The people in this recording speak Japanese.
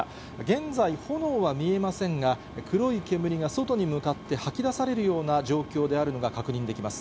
現在、炎は見えませんが、黒い煙が外に向かって吐き出されるような状況であるのが確認できます。